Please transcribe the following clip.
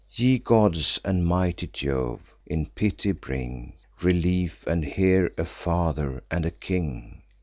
Ye gods, and mighty Jove, in pity bring Relief, and hear a father and a king!